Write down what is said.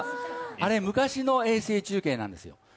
あれは昔の衛星中継なんですよ。